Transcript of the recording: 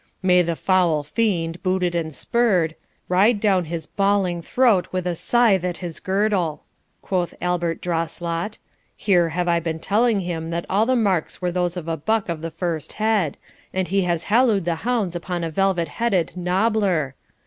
'May the foul fiend, booted and spurred, ride down his bawling throat with a scythe at his girdle,' quoth Albert Drawslot; 'here have I been telling him that all the marks were those of a buck of the first head, and he has hallooed the hounds upon a velvet headed knobbler!